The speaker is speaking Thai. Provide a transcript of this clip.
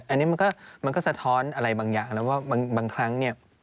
อันนี้มันก็สะท้อนอะไรบางอย่างนะว่าบางครั้งเนี่ย